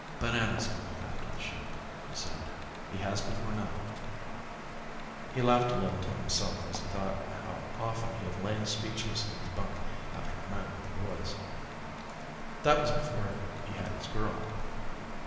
"Bananas can look after the ship," he said. "He has before now." He laughed a little to himself as he thought how often he had lain speechless in his bunk after a night with the boys. That was before he had his girl.